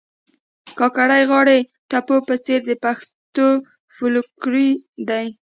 کاکړۍ غاړي ټپو په څېر د پښتو فولکور دي